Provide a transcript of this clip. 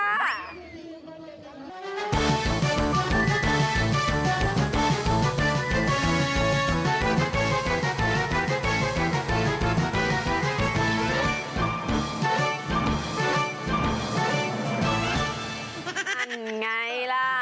อันไงล่ะ